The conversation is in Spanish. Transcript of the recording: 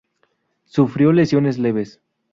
Sufrió lesiones leves.